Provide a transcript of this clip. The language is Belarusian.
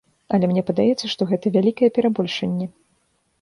Але мне падаецца, што гэта вялікае перабольшанне.